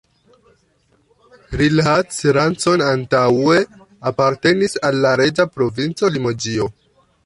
Rilhac-Rancon antaŭe apartenis al la reĝa provinco Limoĝio.